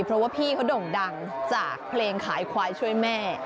เพราะว่าพี่เขาโด่งดังจากเพลงขายควายช่วยแม่